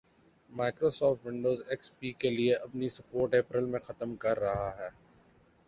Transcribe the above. Microsoft, Windows X P کے لئے اپنی سپورٹ اپریل میں ختم کررہا ہے